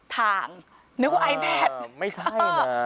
ทางนึกว่าไอแพทย์ไม่ใช่นะ